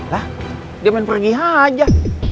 lah dia main pergi aja